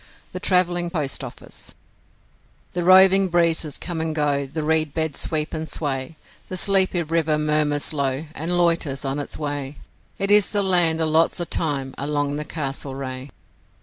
The Travelling Post Office The roving breezes come and go, the reed beds sweep and sway, The sleepy river murmurs low, and loiters on its way, It is the land of lots o' time along the Castlereagh.